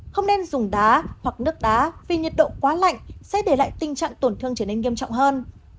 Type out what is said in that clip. không nên dùng đá hoặc nước đá vì nhiệt độ quá lạnh sẽ để lại tình trạng tổn thương trở nên nghiêm trọng hơn